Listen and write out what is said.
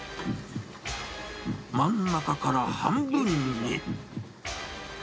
真ん中から半分に。